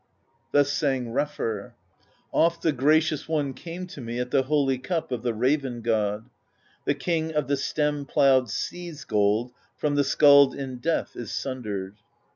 Thus sang Refr: Oft the Gracious One came to me At the holy cup of the Raven God; The king of the stem ploughed sea's gold From the skald in death is sundered.